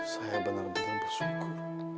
saya benar benar bersyukur